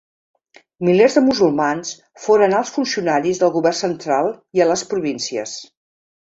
Milers de musulmans foren alts funcionaris del govern central i a les províncies.